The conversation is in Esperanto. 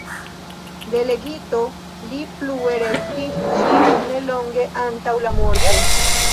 Delegito li plue restis ĝis nelonge antaŭ la morto.